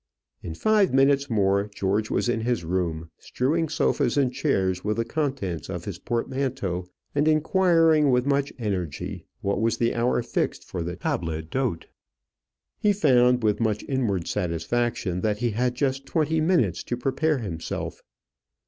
In five minutes more, George was in his room, strewing sofas and chairs with the contents of his portmanteau, and inquiring with much energy what was the hour fixed for the table d'hôte. He found, with much inward satisfaction, that he had just twenty minutes to prepare himself.